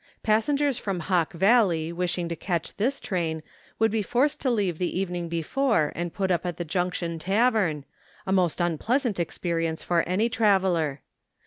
Passengers from Hawk Valley wishing to catch this train would be forced to leave the evening before and put up at the Jimction tavern, a most unpleasant experience for any traveller.